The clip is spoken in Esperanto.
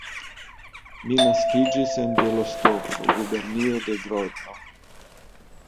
Mi naskiĝis en Bjelostoko, gubernio de Grodno.